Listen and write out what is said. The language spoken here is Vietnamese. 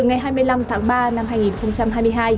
nhật bản là bốn trăm năm mươi một